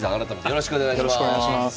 よろしくお願いします。